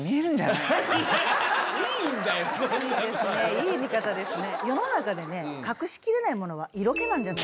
いい見方ですね。